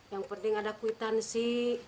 yang penting ada kwitansi